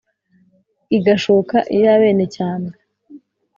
igashoka iy' abenecyambwe